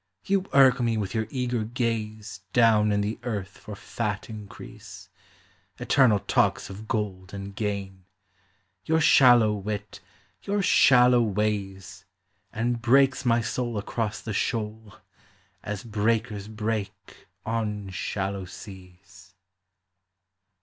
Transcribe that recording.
You irk me with your eager gaze Down in the earth for fat increase — Eternal talks of gold and gain, Your shallow wit, your shallow ways, LIFE. 279 And breaks my soul across the shoal As breakers break on shallow seas.